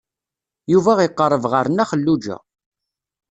Yuba iqerreb ɣer Nna Xelluǧa.